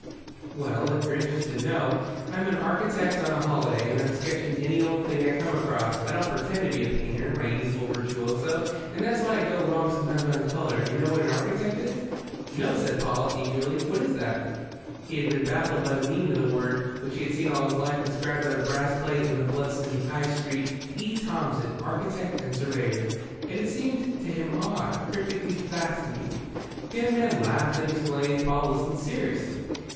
"Well, if you're anxious to know, I'm an architect on a holiday, and I'm sketching any old thing I come across. I don't pretend to be a painter, my youthful virtuoso, and that's why I go wrong sometimes on colour. Do you know what an architect is?" "No," said Paul, eagerly. "What is it?" He had been baffled by the meaning of the word, which he had seen all his life, inscribed on a brass plate in the Bludston High Street: "E. Thomson, Architect & Surveyor." It had seemed to him odd, cryptically fascinating. The young man laughed and explained; Paul listened seriously.